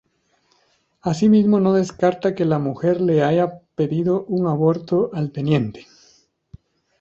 Asimismo, no descarta que la mujer le haya pedido un aborto al teniente.